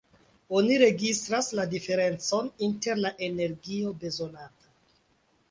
Oni registras la diferencon inter la energio bezonata.